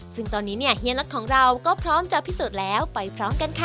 ซึ่งตอนนี้เนี่ยเฮียน็อตของเราก็พร้อมจะพิสูจน์แล้วไปพร้อมกันค่ะ